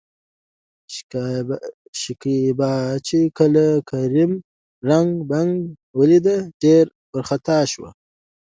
شکيبا چې کله کريم ړنګ، بنګ ولېد ډېره ورخطا شوه.